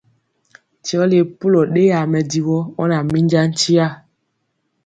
Ti ɔ le pulɔ ɗeyaa mɛdivɔ, ɔ na minja nkya.